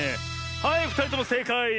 はいふたりともせいかい！